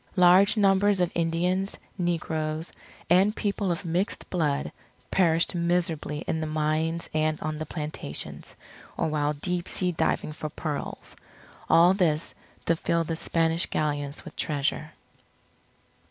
Large numbers of Indians, negroes and people of mixed blood, perished miserably in the mines and on the plantations, or while deep sea diving for pearls, all this to fill the Spanish Galleons with treasure.